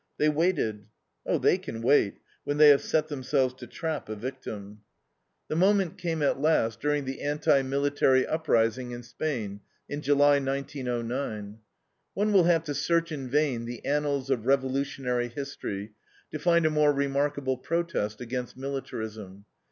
They waited. Oh, they can wait, when they have set themselves to trap a victim. The moment came at last, during the anti military uprising in Spain, in July, 1909. One will have to search in vain the annals of revolutionary history to find a more remarkable protest against militarism.